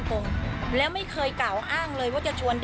กลับมาที่คุณ